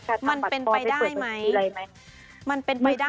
จะทำบัตรพอไปเปิดประชาชนมีอะไรไหมมันเป็นไปได้ไหม